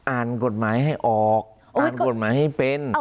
อ่านกฎหมายให้ออกอ่านกฎหมายให้เป็น